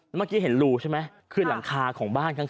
เมื่อกี้เห็นรูใช่ไหมคือหลังคาของบ้านข้าง